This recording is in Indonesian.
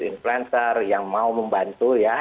influencer yang mau membantu ya